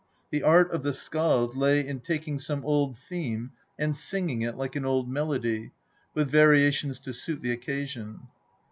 The art of the skald lay in taking some old theme and singing it, like an old melody, with variations to suit the occasion.